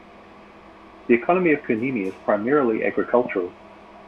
The economy of Kunimi is primarily agricultural.